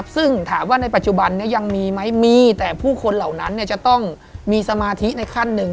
ซึ่งถามว่าในปัจจุบันนี้ยังมีไหมมีแต่ผู้คนเหล่านั้นจะต้องมีสมาธิในขั้นหนึ่ง